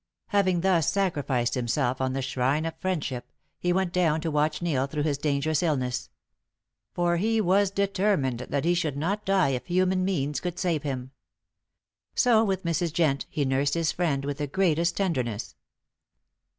Having thus sacrificed himself on the shrine of friendship, he went down to watch Neil through his dangerous illness. For he was quite determined that he should not die if human means could save him. So, with Mrs. Jent, he nursed his friend with the greatest tenderness.